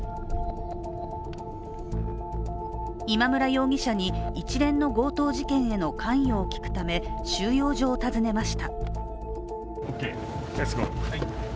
今村容疑者に一連の強盗事件への関与を聞くため収容所を訪ねました。